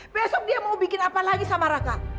besok dia mau bikin apa lagi sama raka